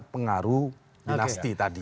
pengaruh dinasti tadi